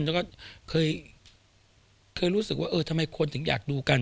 แล้วก็เคยรู้สึกว่าเออทำไมคนถึงอยากดูกัน